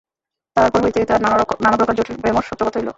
তাহার পর হইতেই তাঁহার নানাপ্রকার জটিল ব্যামোর সূত্রপাত হইল।